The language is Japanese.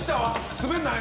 滑らない？